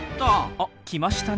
あ来ましたね